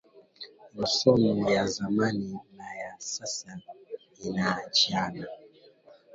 Masomo ya zamani naya sasa inaachana